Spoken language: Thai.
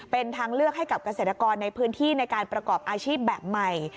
เป็นทางเลือกให้กับเกษตรกรในพื้นที่ในการประกอบอาชีพแบบใหม่